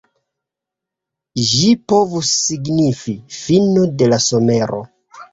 Ĝi povus signifi "fino de la somero".